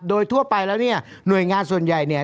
โดยทั่วไปแล้วเนี่ยหน่วยงานส่วนใหญ่เนี่ย